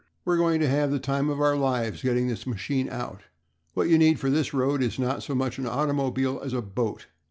"We're going to have the time of our lives getting this machine out. What you need for this road is not so much an automobile as a boat.